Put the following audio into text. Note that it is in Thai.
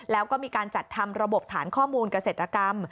แล้วก็มีการจัดทำระบบฐานข้อมูลเกษตรกรรม